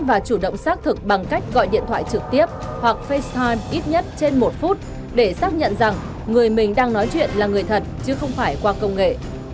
và chủ động xác thực bằng cách gọi điện thoại trực tiếp hoặc fastal ít nhất trên một phút để xác nhận rằng người mình đang nói chuyện là người thật chứ không phải qua công nghệ